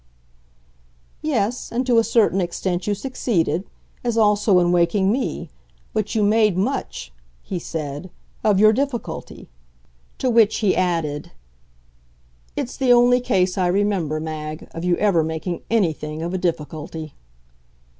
"Yes and to a certain extent you succeeded; as also in waking me. But you made much," he said, "of your difficulty." To which he added: "It's the only case I remember, Mag, of you ever making ANYTHING of a difficulty."